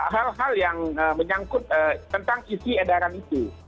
hal hal yang menyangkut tentang isi edaran itu